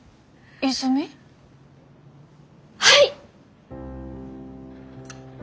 はい！